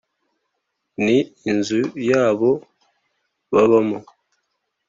ni inzu yabo babamo.